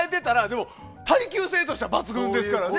でも、耐久性としては抜群ですからね。